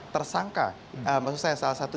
tersangka maksud saya salah satu